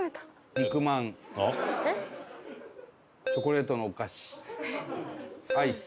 肉まんチョコレートのお菓子アイス。